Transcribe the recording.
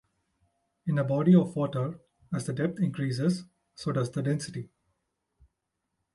In a body of water, as the depth increases, so does the density.